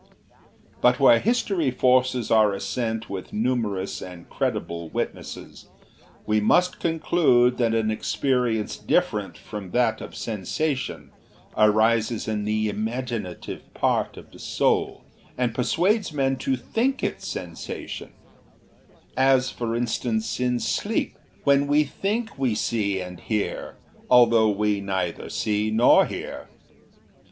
But where history forces our assent with numerous and credible witnesses, we must conclude that an experience different from that of sensation arises in the imaginative part of the soul, and persuades men to think it sensation; as, for instance, in sleep, when we think we see and hear, although we neither see nor hear.